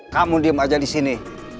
kamu diem aja disini